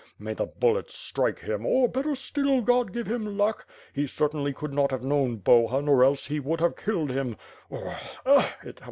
May the bullets strike him or, better still, God give him luck. He certainly could not have known Boluin or else he would have killed him.